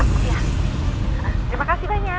terima kasih banyak